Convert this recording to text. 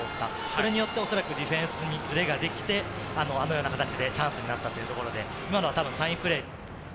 それによって恐らくディフェンスにずれができて、あのような形でチャンスになったというところで、今のはたぶんサインプレー。